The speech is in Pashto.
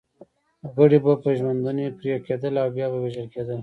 غړي به په ژوندوني پرې کېدل او بیا به وژل کېده.